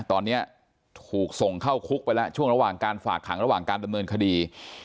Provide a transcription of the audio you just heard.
ตอนนี้ถูกส่งเข้าคุกไปแล้วช่วงระหว่างการฝากขังระหว่างการดำเนินคดี